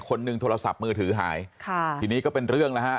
คนนึงโทรศัพท์มือถือหายทีนี้ก็เป็นเรื่องนะฮะ